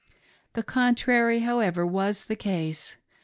The contrary, however, was the case.